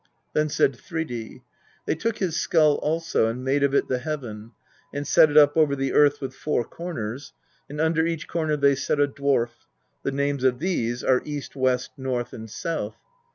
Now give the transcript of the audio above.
Then said Thridi: "They took his skull also, and made of it the heaven, and set it up over the earth with four corners; and under each corner they set a dwarf: the names of these are East, West, North, and South.